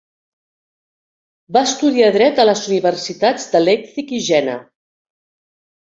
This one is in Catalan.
Va estudiar dret a les universitats de Leipzig i Jena.